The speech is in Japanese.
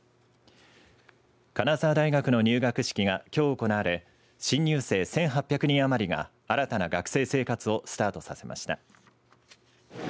金沢大学の入学式がきょう行われ新入生１８００人余りが新たな学生生活をスタートさせました。